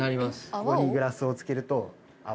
ここにグラス漬けると。